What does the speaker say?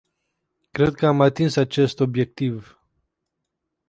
Cred că am atins acest obiectiv.